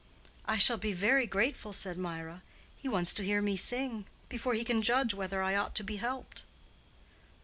"I shall be very grateful," said Mirah. "He wants to hear me sing, before he can judge whether I ought to be helped."